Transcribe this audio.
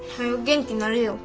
元気なれよ。